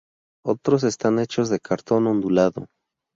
Otros están hechos de cartón ondulado.